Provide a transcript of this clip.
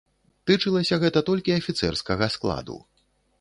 Тычылася гэта толькі афіцэрскага складу.